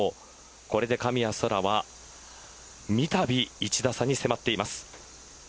これで神谷そらは三たび１打差に迫っています。